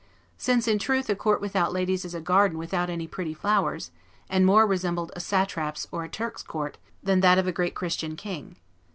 Since, in truth, a court without ladies is a garden without any pretty flowers, and more resembles a Satrap's or a Turk's court than that of a great Christian king.